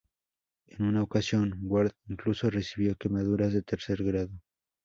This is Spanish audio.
En una ocasión, Ward incluso recibió quemaduras de tercer grado.